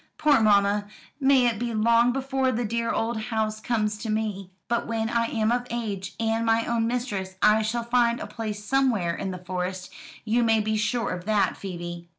Poor mamma! may it be long before the dear old house comes to me. But when I am of age, and my own mistress I shall find a place somewhere in the Forest, you may be sure of that, Phoebe."